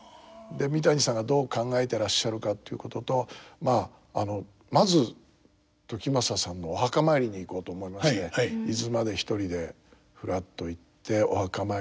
三谷さんがどう考えてらっしゃるかということとまず時政さんのお墓参りに行こうと思いまして伊豆まで一人でふらっと行ってお墓参りをさせていただいて。